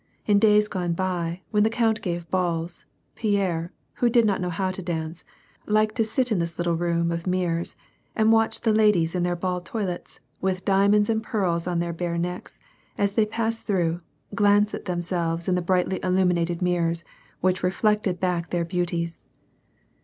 In days gone by, when the count gave balls, Pierre, who did not know how to dance, liked to sit in this little room of mirrors and watch the ladies in their ball toilets, with diamonds and pearls on their bare necks, as they passed through, glance at themselves in the brightly illuminated mirrors, which reflected back their beauties.